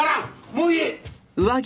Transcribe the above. もういい！